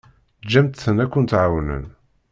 Ǧǧemt-ten akent-ɛawnen.